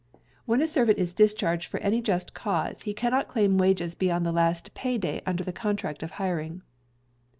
When a Servant is Discharged for any just cause, he cannot claim wages beyond the last pay day under the contract of hiring.